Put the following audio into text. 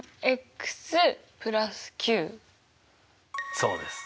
そうです。